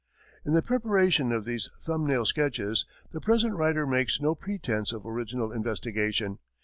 In the preparation of these thumb nail sketches, the present writer makes no pretense of original investigation.